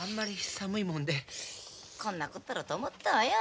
こんなこったろうと思ったわよ。